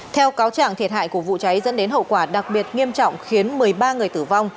theo cáo trạng thiệt hại của vụ cháy dẫn đến hậu quả đặc biệt nghiêm trọng khiến một mươi ba người tử vong